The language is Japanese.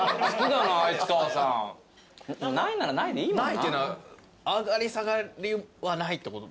ないっていうのは上がり下がりはないってこと？